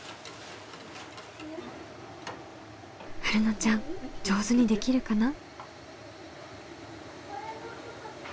はるのちゃん上手にできるかな？